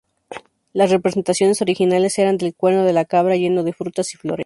Las representaciones originales eran del cuerno de la cabra lleno de frutas y flores.